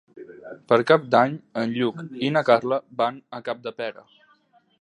Per Cap d'Any en Lluc i na Carla van a Capdepera.